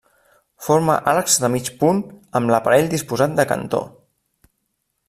Forma arcs de mig punt amb l'aparell disposat de cantó.